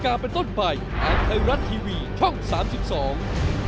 อาทิตย์เทพฯรัฐทีวีช่อง๓๒